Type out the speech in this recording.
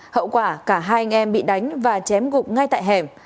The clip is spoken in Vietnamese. hậu quả cả hai anh em bị đánh và chém gục ngay tại hẻm